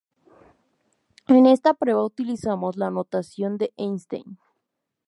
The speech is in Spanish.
En esta prueba utilizamos la notación de Einstein.